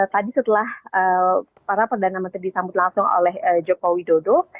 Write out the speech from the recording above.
tadi setelah para perdana menteri disambut langsung oleh joko widodo